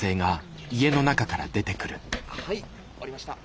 はい下りました。